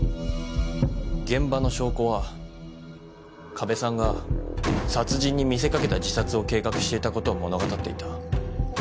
現場の証拠は加部さんが殺人に見せかけた自殺を計画していたことを物語っていた。